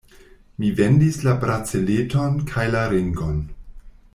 Mi vendis la braceleton kaj la ringon.